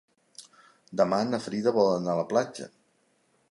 Demà na Frida vol anar a la platja.